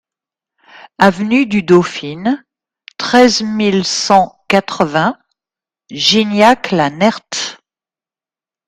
Avenue du Dauphine, treize mille cent quatre-vingts Gignac-la-Nerthe